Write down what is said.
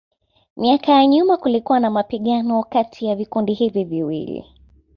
Miaka ya nyuma kulikuwa na mapigano kati ya vikundi hivi viwili.